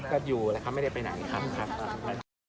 ก็อยู่นะครับไม่ได้ไปหนังอีกครั้ง